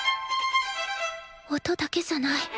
音だけじゃない。